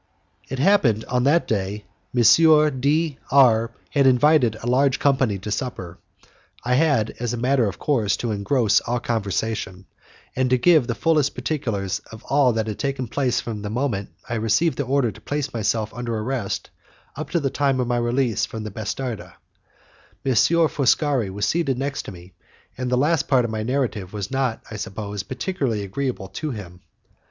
It happened that, on that day, M. D R had invited a large company to supper. I had, as a matter of course, to engross all conversation, and to give the fullest particulars of all that had taken place from the moment I received the order to place myself under arrest up to the time of my release from the 'bastarda'. M. Foscari was seated next to me, and the last part of my narrative was not, I suppose, particularly agreeable to him.